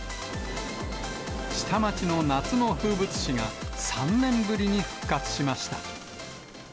下町の夏の風物詩が、３年ぶりに復活しました。